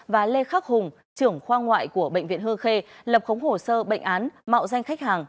và lê khắc hùng trưởng khoa ngoại của bệnh viện hương khê lập khống hồ sơ bệnh án mạo danh khách hàng